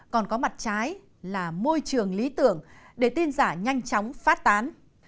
còn có mặt trái là môi trường lý tưởng để tin giả nhanh chóng phát tán